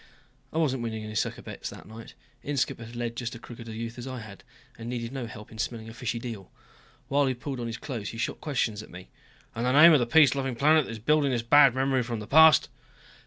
I wasn't winning any sucker bets that night. Inskipp had led just as crooked a youth as I had, and needed no help in smelling a fishy deal. While he pulled on his clothes he shot questions at me. "And the name of the peace loving planet that is building this bad memory from the past?"